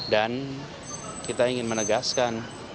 dan kita ingin menegaskan